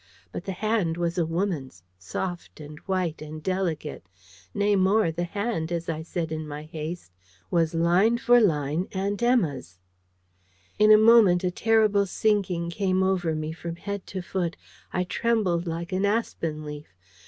But the hand was a woman's soft, and white, and delicate: nay more, the hand, as I said in my haste, was line for line Aunt Emma's. In a moment a terrible sinking came over me from head to foot. I trembled like an aspen leaf.